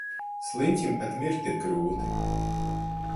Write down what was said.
Sliņķim pat mirt ir grūti.